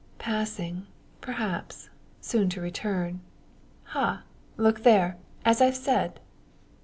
"Passing perhaps, soon to return. Ha! look there. As I've said!"